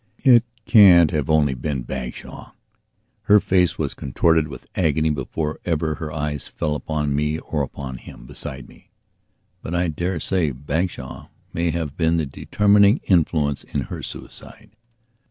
It can't have been only Bagshawe. Her face was contorted with agony before ever her eyes fell upon me or upon him beside me. But I dare say Bagshawe may have been the determining influence in her suicide.